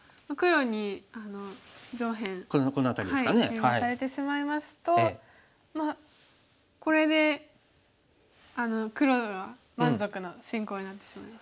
ケイマされてしまいますとこれで黒が満足の進行になってしまいます。